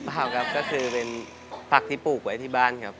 เปล่าครับก็คือเป็นผักที่ปลูกไว้ที่บ้านครับ